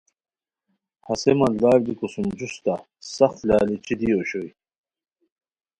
ہسے مالدار بیکو سُم جوستہ سخت لالچی دی اوشوئے